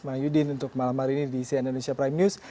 mahyudin untuk malam hari ini di cnn indonesia prime news